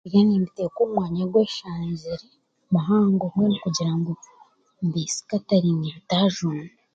Byo nimbiteeka omu mwanya gweshanzire muhangomu kugira ngu mbisikataringe bitaajunda.